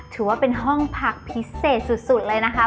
ถือว่าเป็นห้องพักพิเศษสุดเลยนะคะ